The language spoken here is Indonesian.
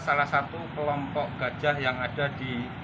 salah satu kelompok gajah yang ada di